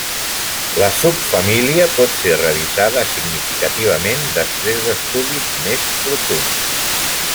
La subfamília pot ser revisada significativament després d'estudis més profunds.